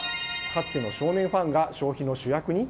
かつての少年ファンが消費の主役に。